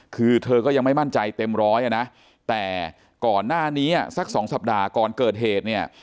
คือเธอก็ยังไม่มั่นใจเต็มร้อยอ่ะนะแต่ก่อนหน้านี้สัก๒สัปดาห์ก่อนเกิดเหตุเนี่ย